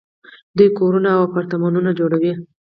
دوی کورونه او اپارتمانونه جوړوي.